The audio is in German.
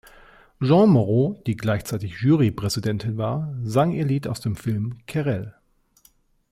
Jeanne Moreau, die gleichzeitig Jury-Präsidentin war, sang ihr Lied aus dem Film "Querelle".